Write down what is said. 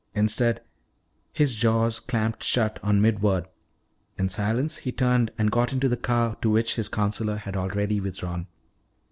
Instead, his jaws clamped shut on mid word. In silence he turned and got into the car to which his counselor had already withdrawn.